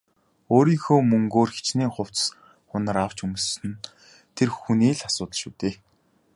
Өөрийнхөө мөнгөөр хэчнээн хувцас хунар авч өмсөх нь тэр хүний л асуудал шүү дээ.